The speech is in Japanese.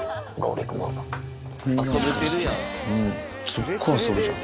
すっごい遊ぶじゃん。